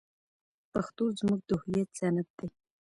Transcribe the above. پښتو زموږ د هویت سند دی.